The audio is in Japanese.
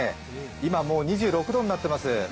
今もう２６度になってます。